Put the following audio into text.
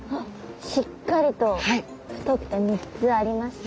しっかりと太くて３つありますね。